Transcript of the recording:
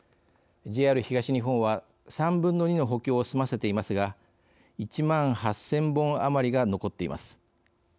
ＪＲ東日本は、３分の２の補強を済ませていますが１万８０００本余りが残っています。